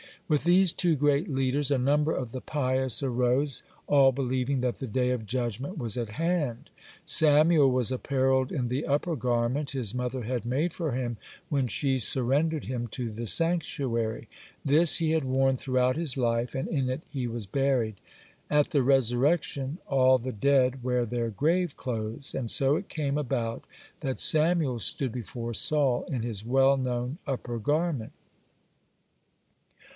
With these two great leaders a number of the pious arose, all believing that the day of judgment was at hand. Samuel was apparelled in the "upper garment" his mother had made for him when she surrendered him to the sanctuary. This he had worn throughout his life, and in it he was buried. At the resurrection all the dead wear their grave clothes, and so it came about that Samuel stood before Saul in his well known "upper garment."